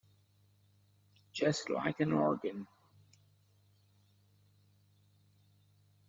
Just like an organ.